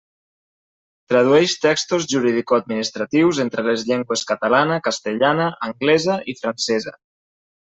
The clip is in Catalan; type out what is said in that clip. Tradueix textos juridicoadministratius entre les llengües catalana, castellana, anglesa i francesa.